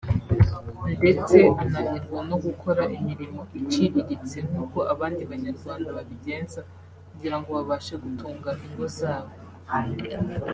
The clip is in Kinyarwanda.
ndetse ananirwa no gukora imirimo iciriritse nk’uko abandi banyarwanda babigenzaga kugirango babashe gutunga ingo zabo